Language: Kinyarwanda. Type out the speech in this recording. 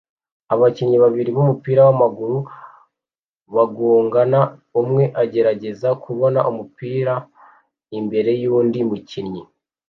Abakinnyi babiri b'umupira w'amaguru bagongana umwe agerageza kubona umupira imbere yundi mukinnyi